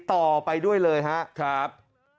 ต่อไปด้วยเลยครับ